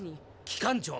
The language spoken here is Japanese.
機関長。